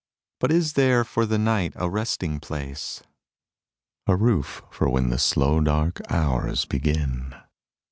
But is there for the night a resting place? A roof for when the slow dark hours begin.